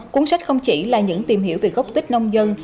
cuốn sách không chỉ là những tìm hiểu về gốc tích nông dân